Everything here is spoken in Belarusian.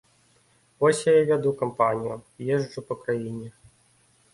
Вось я і вяду кампанію, езджу па краіне.